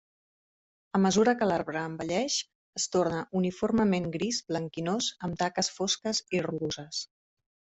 A mesura que l'arbre envelleix es torna uniformement gris blanquinós amb taques fosques i rugoses.